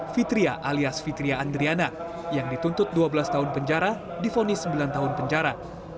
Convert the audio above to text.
fitria alias fitria andriana yang dituntut dua belas tahun penjara difonis sembilan tahun penjara